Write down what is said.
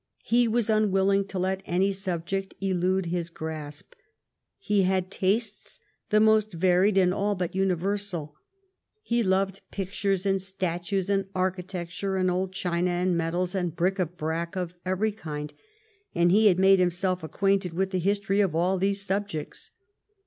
He was unwilling to let any subject elude his grasp. He had tastes the most varied and all but universal. He loved pictures and statues and architecture and old china and medals and bric a brac of every kind, and he had made himself acquainted with the history of all these subjects.